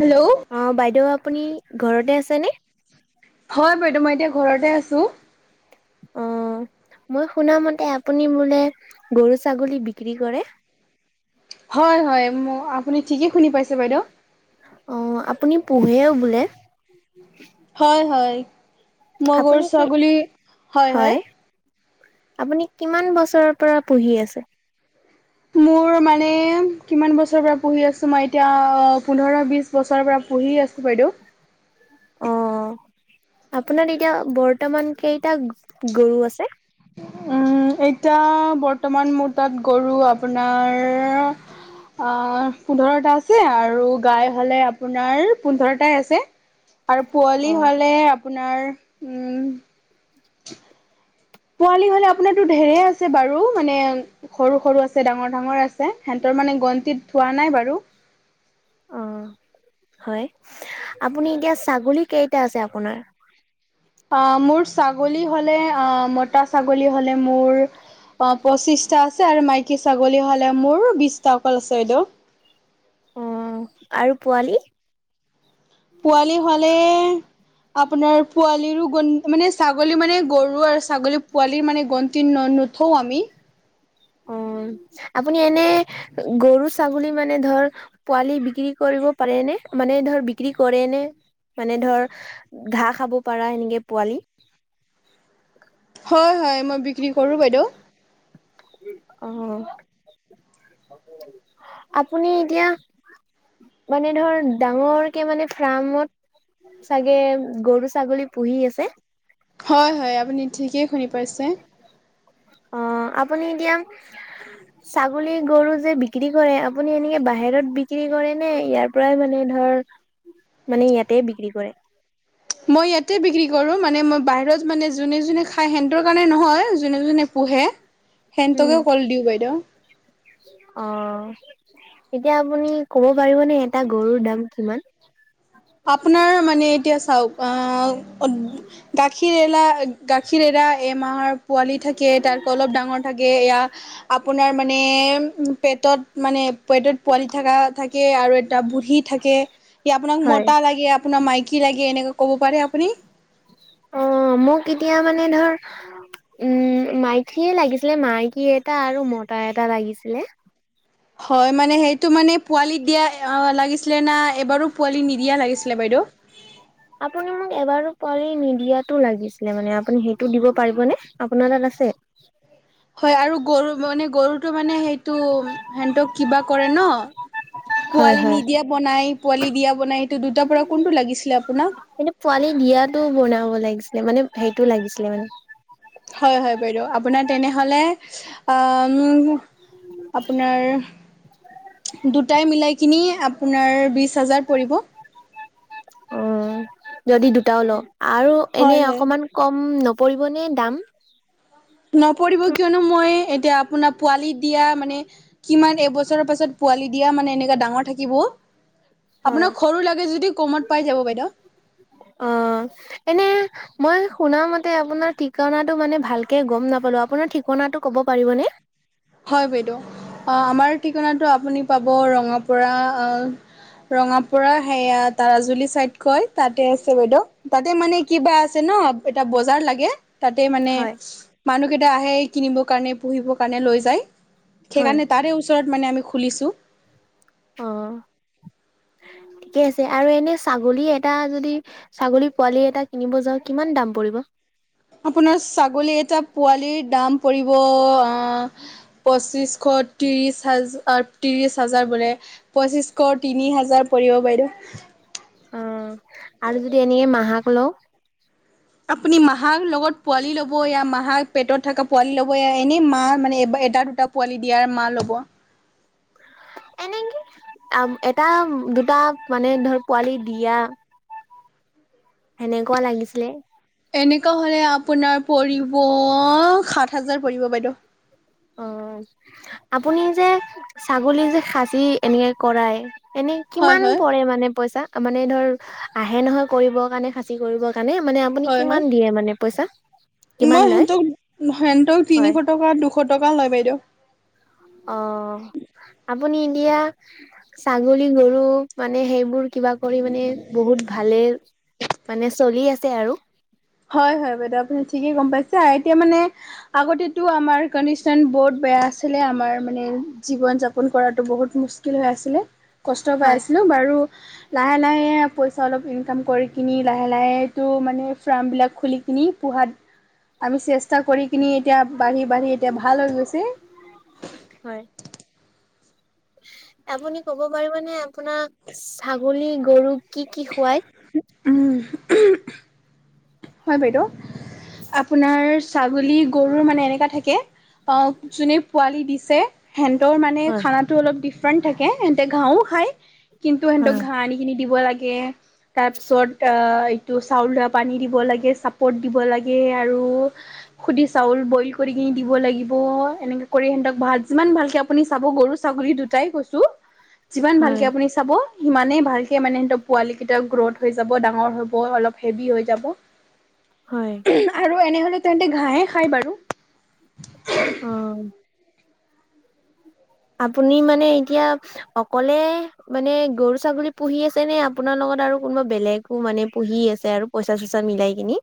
Hello, অ, বাইদেউ, আপুনি ঘৰতে আছেনে? হয়, বাইদেউ, মই এতিয়া ঘৰতে আছোঁ। অ', মই শুনামতে, আপুনি বোলে গৰু-ছাগলী বিক্ৰী কৰে। হয়, হয় আপুনি ঠিকেই শুনি পাইছে, বাইদেউ। অ আপুনি পহুৱেও বোলে? হয়, হয়। মই আপুনি কি গৰু-ছাগলী, হয় হয়। আপুনি কিমান বছৰৰ পৰা পুহি আছে? মোৰ মানে কিমান বছৰৰ পৰা পঢ়ি আছো? মই এতিয়া পোন্ধৰ-বিছ বছৰৰ পৰা পঢ়ি আছোঁ বাইদেউ। অ আপোনাৰ এতিয়া বৰ্তমান কেইটা গৰু আছে? উম এতিয়া বৰ্তমান মোৰ তাত গৰু আপোনাৰ আ পোন্ধৰটা আছে আৰু গাই হ'লে আপোনাৰ পোন্ধৰটাই আছে। আৰু অ পোৱালি হ'লে আপোনাৰ উম পোৱালি হ'লে আপোনাৰো ঢেৰ আছে বাৰু, মানে সৰু-সৰু আছে, ডাঙৰ-ডাঙৰ আছে। সেনতৰ মানে গণতিত ধোৱা নাই বাৰু। অ হয়। আপুনি এতিয়া ছাগলী কেইটা আছে আপোনাৰ? অ মোৰ ছাগলী হ'লে অ মতা ছাগলী হ'লে মোৰ অ পঁচিশটা আছে আৰু মাইকী ছাগলী হ'লে মোৰ বিশটা অকল আছে বাইদেউ। অ আৰু পোৱালি? পোৱালি হ'লে আপোনাৰ পোৱালীৰো গণ মানে ছাগলী মানে, গৰু আৰু ছাগলীৰ পোৱালীৰ মানে গণতি ন নুত থও আমি উম আপুনি এনে গৰু-ছাগলী মানে ধৰ পোৱালি বিক্ৰী কৰিব পাৰে নে? মানে ধৰ বিক্ৰী কৰে নে? ঘাঁহ খাব পৰা সেনেকে পোৱালি? হয়, হয়। মই বিক্ৰী কৰোঁ বাইদেউ। অহ। আপুনি এতিয়া মানে ধৰ ডাঙৰকে মানে ফাৰ্মত চাগে গৰু-ছাগলী পুহি আছে? হয়, হয়। আপুনি ঠিকেই শুনি পাইছে। অ আপুনি এতিয়া ছাগলী গৰু যে বিক্ৰী কৰে আপুনি এনেকে বাহিৰত বিক্ৰী কৰে নে ইয়াৰ পৰাই মানে ধৰ মানে ইয়াতে বিক্ৰী কৰে? মই ইয়াতে বিক্ৰী কৰোঁ, মানে মই বাহিৰত মানে জোনে জোনে খাই সেন্তৰ কাৰণে নহয় জোনে জোনে পোহে, উম সেনতকে কল দিওঁ বাইদেউ। অ এতিয়া আপুনি ক'ব পাৰিবনে এটা গৰুৰ দাম কিমান? আপোনাৰ মানে এতিয়া চাওক আ অত গাখ- খীৰ এলা গাখীৰ এৰা এমাহৰ পোৱালি থাকে তাক অলপ ডাঙৰ থাকে এয়া আপোনাৰ মানে পেটত মানে পেটত পোৱালি থকা থাকে আৰু এটা বুঢ়ী থাকে। সে আপোনাক হয় মত- গে আপোনাক মাইকী লাগে এনেকা ক'ব পাৰে আপুনি? অ মোক এতিয়া মানে ধৰ উম মাইকীয়ে লাগিছিলে‌, মাইকী এটা আৰু মতা এটা লাগিছিলে। হয় মানে সেইটো মানে পোৱালিত দিয়া লাগিছিলে না এবাৰো পোৱালি নিদিয়া লাগিছিলে বাইদেউ? আপোনাৰ এবাৰো পোৱালি নিদিয়াটো লাগিছিল মানে আপুনি সেইটো দিব পাৰিবনে? আপোনাৰ তাত আছে? হয় আৰু গৰু মানে গৰুটো মানে সেইটো সেনতক কিবা কৰে ন। হয়, পোৱালি হয়। নিদিয়া বনাই পোৱালি দিয়া বনাই সেটো দুটা পৰা কোনটো লাগিছিলে আপোনাক? পোৱালী দিয়াটো বনাব লাগিছিলে মানে সেইটো লাগিছিলে মানে। হয় হয় বাইদেউ আপোনাৰ তেনেহলে আ উম আপোনাৰ দুটাই মিলাই কিনি আপোনাৰ বিছ হাজাৰ পৰিব। উম যদি দুটাও লওঁ আৰু হয় এনে হয়। অকমান, কম নপৰিবনে দাম। নপৰিব কিয়নো মই এতিয়া আপোনাৰ পোৱালি দিয়া মানে। কিমান এবছৰৰ পাছত পোৱালি দিয়া মানে এনেকুৱা ডাঙৰ থাকিব। হয়, আপোনাক সৰু লাগে যদি কমত পাই যাব বাইদেউ। অ এনে, মই শুনা মতে আপোনাৰ ঠিকনাটো মানে ভালকে গম নাপালো আপোনাৰ ঠিকনাটো ক'ব পাৰিবনে। হয় বাইদেউ আমাৰ ঠিকনাটো আপুনি পাব ৰঙাপ আ ৰঙাপুৰা সেয়া তাৰাজুলি চাইদ। কয় তাতে আছে বাইদেউ তাতে মানে কিবা আছে ন এটা বজাৰ লাগে। তাতে মানে হয়, মানুহ কেইটা আহে কিনিবৰ কাৰণে পুহিবৰ কাৰণে লৈ যায়। হয়, সেইকাৰণে তাৰে ওচৰত মানে আমি খুলিছো। অ ঠিকে আছে আৰু এনে ছাগলী এটা যদি। ছাগলী পোৱালি এটা কিনিব যাও কিমান দাম পৰিব। আপোনাৰ ছাগলী এটা পোৱালিৰ দাম পৰিব আহ, পঁচিছশ ত্ৰিছ হাজ ত্ৰিছ হাজাৰ বোলে, পঁচিশ শ তিনি হাজাৰ পৰিব বাইদেউ। অ আৰু যদি এনেকে মাহাক লওঁ। আপুনি মাহাৰ লগত পোৱালি ল'ব ইয়া মাহাৰ পেটত থকা পোৱালি ল'ব ই এনেই মা মানে এটা দুটা, পোৱালি দিয়াৰ মা ল'ব। এনেক এটা দুটা মানে ধৰ পোৱালি দিয়া। এনেকুৱা লাগিছিলে। এনেকুৱা হ'লে আপোনাৰ পৰিব সাত হাজাৰ পৰিব বাইদেউ। অ আপুনি যে ছাগলী যে খাচী এনেকে কৰায় এনেই, হয় কিমান হয় পৰে মানে পইচা মানে ধৰ আহে নহয় কৰিব কাৰণে খাচী কৰিবৰ কাৰণে মানে, আপুনি হয় কিমান হয় দিয়ে মানে পইচা কিমান মই লয় সিহত সিহতক হয় তিনিশ টকা দু ফটকা লয় বাইদেউ, অ আপুনি এতিয়া ছাগলী গৰু মানে সেইবোৰ। কিবা কৰি মানে বহুত ভালে মানে চলি আছে আৰু হয় হয় বাইদেউ আপুনি ঠিকেই গম পাইছে এতিয়া মানে। আগতেটো আমাৰ কণ্ডিচন বহুত বেয়া আছিলে আমাৰ মানে, জীৱন যাপন কৰাতো বহুত [unintelligible] হৈ আছিলে কষ্ট পাই হয় আছিলো বাৰু লাহে লাহে পইচা অলপ ইনকাম কৰি কিনি লাহে লাহেটো মানে ফ্ৰামবিলাক খুলি কিনি পোহাত আমি চেষ্টা কৰি, কিনি এতিয়া বাঢ়ি বাঢ়ি এতিয়া ভাল হৈ গৈছে৷ হয়৷ আপুনি ক'ব পাৰিবনে আপোনাৰ ছাগলী গৰুক কি কি খোৱায়। উম হয় বাইদেউ, আপোনাৰ ছাগলী গৰু মানে এনেকুৱা থাকে৷ অ যোনে পোৱালি দিছে। হেন্তৰ মানে হয় খানাটো অলপ ডিফাৰেণ্ট থাকে হেন্তে ঘাঁহও খাই, কিন্তু হেন্তক হয় ঘাঁহ আনি কিনি দিব লাগে, তাৰপিছত আ- এইটো চাউল ধোৱা পানী দিব দিব লাগে, চাপৰ্ট দিব লাগে! আৰু সুধি চাউল বইল কৰি কিনি দিব লাগিব, এনেকে কৰি সিহঁতক ভাত যিমান ভালকে আপুনি চাব গৰু, ছাগলী দুটাই কৈছো৷ [unintelligible] যিমান ভালকে আপুনি চাব, সিমানেই ভালকে মানে সিহঁতৰ পোৱালি কেইটা গ্ৰথ হৈ যাব, ডাঙৰ হব, অলপ হেভি হৈ যাব৷ হয়! আৰু এনেহ'লে তেহেটে ঘাঁহে খায় বাৰু৷ অ! আপুনি, মানে এতিয়া অকলে, মানে গৰু-ছাগলী পুহি আছে নে? আপোনাৰ লগত আৰু কোনোবা বেলেগ মানে পুহি আছে আৰু পইচা-চইচা মিলাই কিনি?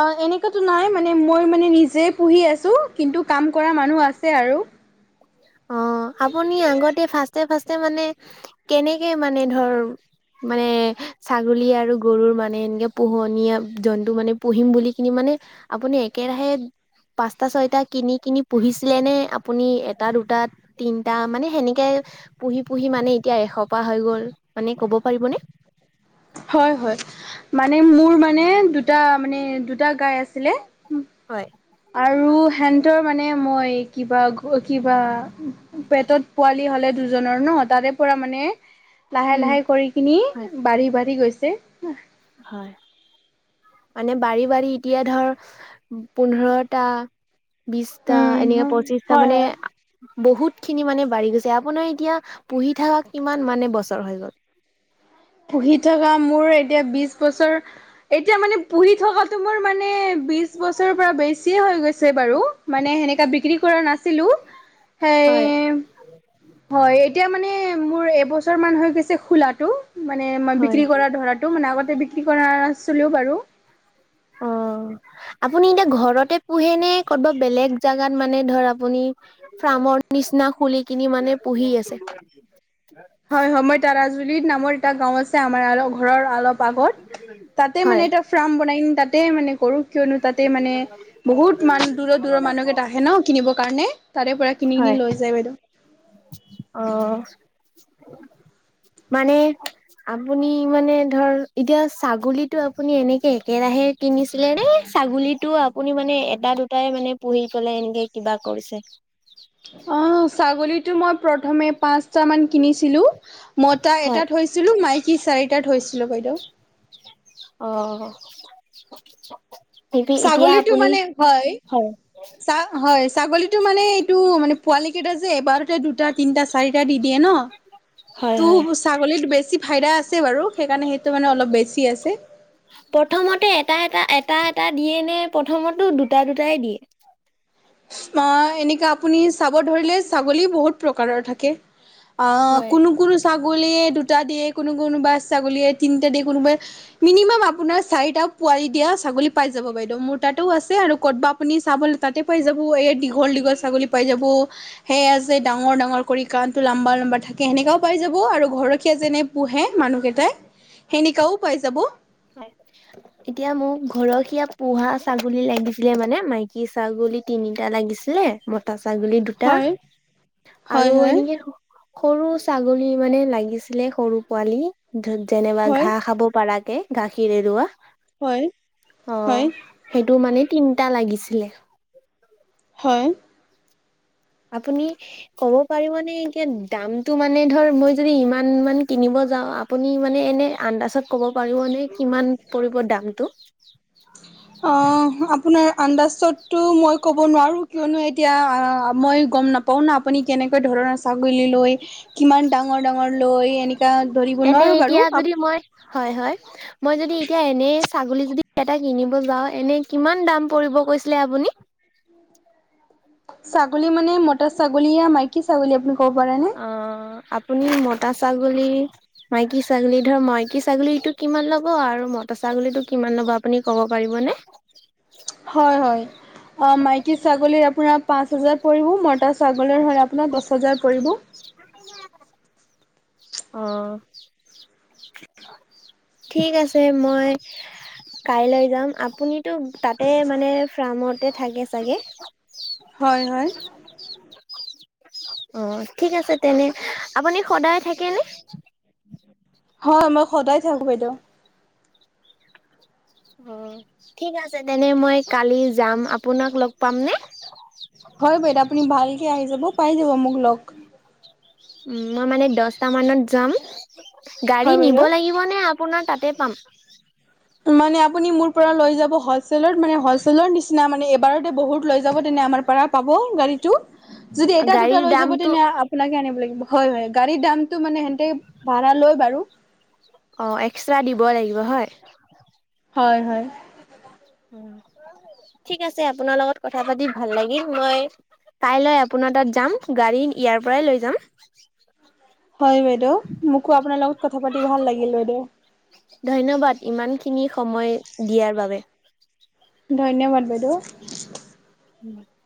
অ! এনেকুৱাতো নাই মানে মই মানে নিজে পুহি আছো, কিন্তু কাম কৰা মানুহ আছে আৰু৷ অ! আপুনি আগতে ফাষ্টে ফাষ্টে মানে কেনেকে মানে ধৰ মানে, ছাগলী আৰু গৰুৰ মানে এনেকে পোহনীয়া জন্তু মানে পুহিম বুলি কিনি মানে আপুনি একেৰাহে পাঁচটা, ছয়টা কিনি কিনি পুহিছিলে নে? আপুনি এটা, দুটা, তিনটা মানে সেনেকে পুহি পুহি মানে এতিয়া এশপা হৈ গ'ল৷ মানে ক'ব পাৰিবনে? হয়, হয়, মানে মোৰ মানে দুটা মানে দুটা গাই আছিলে! হয়। আৰু হেন্তৰ মানে মই কিবা! অ কিবা পেটত পোৱালি হ'লে দুজনৰ ন! তাৰে পৰা মানে লাহে উম লাহে কৰি কিনি হয় বাঢ়ি, বাঢ়ি গৈছে। হয়। মানে, বাঢ়ি বাঢ়ি এতিয়া ধৰ পোন্ধৰটা, বিছটা, উম, এনেকে হয় পঁচিছটা হয় মানে হয়। বহুত খিনি মানে বাঢ়ি গৈছে! আপোনাৰ এতিয়া পুহি থকা কিমান মানে বছৰ হৈ গ'ল? পুহি থকা মোৰ এতিয়া বিশ বছৰ এতিয়া, মানে পুহি থকাটো মোৰ মানে বিশ বছৰৰ পৰা বেছিয়ে হৈ গৈছে বাৰু। মানে সেনেকা বিক্ৰী কৰা নাছিলো। [inaudible] সেই হয়, এতিয়া মানে মোৰ এবছৰ মান হৈ গৈছে খোলাটো মানে, মই হয় বিক্ৰী কৰা ধৰাটো মানে আগতে বিক্ৰী কৰা নাছিলো বাৰু। অঁ! আপুনি, এতিয়া ঘৰতে পোহে নে? কৰ'বাত বেলেগ জেগাত মানে ধৰ আপুনি ফ্ৰামৰ নিচিনা খুলি কিনি মানে পুহি আছে? হয়, হয়, মই তাৰাজুলিত নামৰ এটা গাওঁ আছে। আমাৰ অলপ ঘৰৰ অলপ আগত তাতে হয়। মানে এটা ফ্ৰাম বনাই তাতে মানে কৰো। কিয়নো তাতে মানে বহুত মানু দূৰ দূৰৰ মানুহকেইটা আহে ন! কিনিবৰ কাৰণে তাৰে পৰা কিনি কিনি লৈ যায় বাইদেউ। অহ, মানে আপুনি, মানে ধৰ এতিয়া ছাগলীটো আপুনি এনেকে একেৰাহে কিনিছিলে নে? ছাগলীটো আপুনি মানে এটা- দুটাই মানে পুহি পেলাই এনেকে কিবা কৰিছে? অঁ, ছাগলীটো মই প্ৰথমে পাঁচটামান কিনিছিলো মতা হয় এটা থৈছিলো, মাইকী চাৰিটা থৈছিলো বাইদ। অহ। ছাগলীটো মানে হয়। চা হয় ছাগলীতটো মানে এইটো মানে পোৱালি কেইটা যে এবাৰতে দুটা। তিনিটা- চাৰিটা দি দিয়ে ন। হয় তো, হয় ছাগলীত বেছি ফাইদা আছে বাৰু সেইকাৰণে সেইটো মানে অলপ বেছি আছে। প্ৰথমতে এটা - এটা, এটা - এটা দিয়ে নে প্ৰথমতো দুটা দুটাই দিয়ে? অ' এনেকে আপুনি চাব ধৰিলে ছাগলী বহুত প্ৰকাৰৰ থাকে। আহ, কোনো হয় - কোনো ছাগলীয়ে দুটা দিয়ে কোনো-, কোনোবা ছাগলীয়ে তিনিটা দিয়ে কোনোবাই। মিনিমাম আপোনাৰ চাৰিটা পোৱালি দিয়া ছাগলী পাই যাব বাইদেউ মোৰ তাতেও আছে আৰু ক'ত আপুনি চাবলৈ তাতে। পাই যাব, এই দীঘল - দীঘল ছাগলী পাই যাব। সেয়া যে, ডাঙৰ- ডাঙৰ কৰি কাণটো লম্বা - লম্বা থাকে যেনেকুৱা পাই যাব আৰু ঘৰখীয়া যেনে। পোহে মানুহকেইটাই সেনেকাও পাই যাব। হয়। এতিয়া মোক ঘৰসীয়া পোহা ছাগলী লাগিছিলে মানে, মাইকী ছাগলী তিনিটা লাগিছিলে। মতা ছাগলী দুটা হয়। হয় আৰু হয়। এনেকে ধ। সৰু ছাগলী মানে লাগিছিলে, সৰু পোৱালি যেনেবা হয় ঘা খাব পৰা কে। গাখীৰ এৰুৱা, হয় অ হয় সেইটো মানে তিনিটা লাগিছিলে। হয়। আপুনি। ক'ব পাৰিব নে এতিয়া দামটো মানে ধৰ মই যদি ইমান মান কিনিব যাওঁ। আপুনি মানে আনডাষ্টত কব পাৰিবনে কিমান পৰিব দামটো? অ' আপোনাৰ আন্দাজতটো মই ক'ব নোৱাৰো কিয়নো এ। এতিয়া মই গম নাপাও ন আপুনি কেনেকুৱা ধৰণৰ ছাগলী লৈ। কিমান ডাঙৰ - ডাঙৰ লৈ এনেকা ধৰিব এনে নোৱাৰো বাৰু। এতিয়া যদি মই হয় হয়, মই যদি এতিয়া এনে ছাগলী যদি। এটা কিনিব যাও এনে কিমান দাম পৰিব কৈছিলে আপুনি? ছাগলী মানে মতা ছাগলী মাইকী ছাগলী আপুনি ক'ব পাৰে নে। অ' আপুনি মতা ছাগলী। মাইকী ছাগলী ধৰ মাইকী ছাগলীটো কিমান ল'ব আৰু মতা ছাগলীটো কিমান ল'ব আপুনি ক'ব পাৰিবনে। হয় হয়। মাইকী ছাগলীৰ আপোনাৰ পাঁচ হাজাৰ পৰিব, মতা ছাগলীৰ হ'লে আপোনাৰ দহ হাজাৰ পৰিব। অঁ। ঠিক আছে মই কাইলৈ যাম আপুনিতো। তাতে মানে ফ্ৰামতে থাকে চাগে। হয় হয়। অ ঠিক আছে তেনে আপুনি সদায় থাকে নে? হয় মই সদায় থাকো বাইদেউ। অ' ঠিক আছে তেনে মই কালি যাম আপোনাক লগ পাম নে? হয় বাইদেউ আপুনি ভালকে আহি যাব পাই যাব মোক লগ। উম, মই মানে দহটা মানত যাম গাড়ী হয় নিব বাইদেউ লাগিব। নিব নে, আপুনাৰ তাতে পাম? মানে আপুনি মোৰ পৰা লৈ যাব হয়। হলচেলত মানে হ'লচেলৰ নিচিনা মানে এবাৰতে বহুত লৈ যাব তেনে আমাৰ পৰা পাব গাড়ীটো। যদি এটা দুটা গাড়ীৰ লৈ যাব দামটো তেনে। সেনেকে আনিব লাগিব হয়, হয় গাড়ীৰ দামটো মানে সিহতে ভাড়া লয় বাৰু অ', এক্সট্ৰা দিব লাগিব হয়! হয়, হয়। ঠিক আছে আপোনাৰ লগত কথা পাতি ভাল লাগিল। মই কাইলৈ আপোনাৰ তাত যাম, গাড়ী ইয়াৰ পৰাই লৈ যাম। হয়, বাইদেউ। মোকো আপোনাৰ লগত কথা পাতি ভাল লাগিল বাইদেউ। ধন্যবাদ, ইমানখিনি সময় দিয়াৰ বাবে। ধন্যবাদ বাইদেউ। [inaudible]